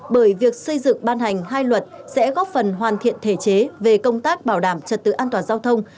bởi việc xây dựng ban hành hai luật sẽ góp phần hoàn thiện thể chế về công tác bảo đảm trật tự an toàn giao thông